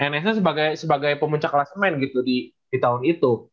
nsa sebagai pemuncak kelas main gitu di tahun itu